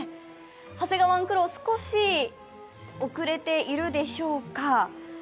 ハセガワンクロー、少し遅れているでしょうか？